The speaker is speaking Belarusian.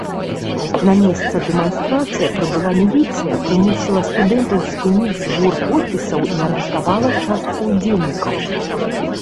На месца дэманстрацыя прыбыла міліцыя, прымусіла студэнтаў спыніць збор подпісаў і арыштавала частку ўдзельнікаў.